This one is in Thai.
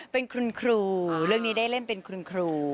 เป็นคุณครูเรื่องนี้ได้เล่นเป็นคุณครู